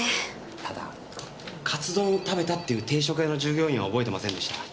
ただカツ丼を食べたっていう定食屋の従業員は覚えてませんでした。